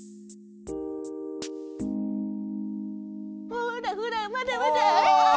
ほらほらまだまだ！